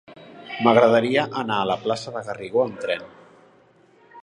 M'agradaria anar a la plaça de Garrigó amb tren.